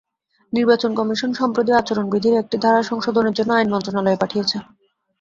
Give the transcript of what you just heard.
নির্বাচন কমিশন সম্প্রতি আচরণবিধির একটি ধারা সংশোধনের জন্য আইন মন্ত্রণালয়ে পাঠিয়েছে।